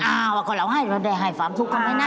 อ้าวก็เราให้เราได้หายความสุขกันไหมนะ